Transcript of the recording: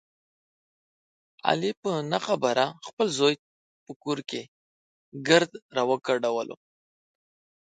علي په نه خبره خپل زوی په کور کې ګرد را وګډولو.